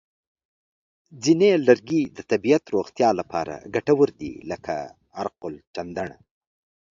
ځینې لرګي د طبیعي روغتیا لپاره ګټور دي، لکه عرقالچندڼ.